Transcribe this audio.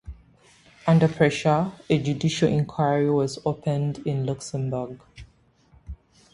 Under pressure, a judicial inquiry was opened in Luxembourg.